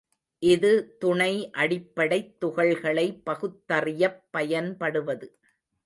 இது துணை அடிப்படைத் துகள்களை பகுத்தறியப் பயன்படுவது.